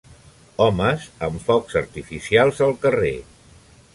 homes amb focs artificials al carrer.